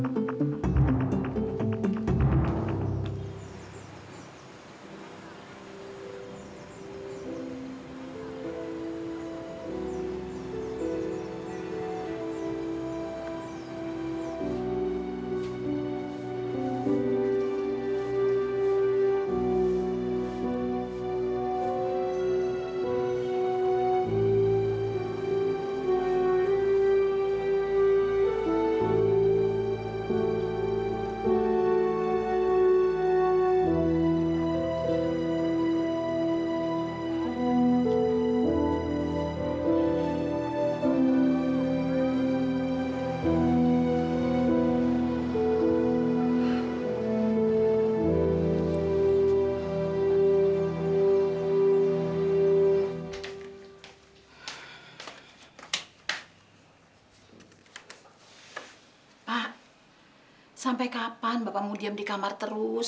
pak sampai kapan bapakmu diam di kamar terus